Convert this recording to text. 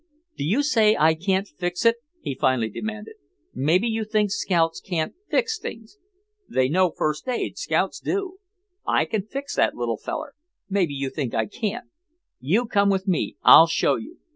"Do you say I can't fix it?" he finally demanded. "Maybe you think scouts can't fix things. They know first aid, scouts do. I can fix that little feller; maybe you think I can't. You come with me, I'll show you.